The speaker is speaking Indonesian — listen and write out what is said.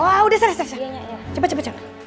oh udah selesai cepet cepet cepet